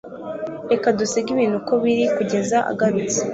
reka dusige ibintu uko biri kugeza agarutse